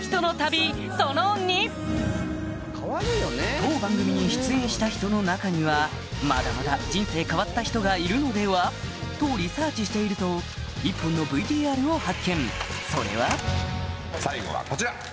当番組に出演した人の中にはまだまだとリサーチしていると１本のＶＴＲを発見それは最後はこちら！